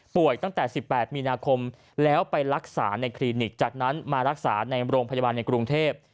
ตั้งแต่๑๘มีนาคมแล้วไปรักษาในคลินิกจากนั้นมารักษาในโรงพยาบาลในกรุงเทพ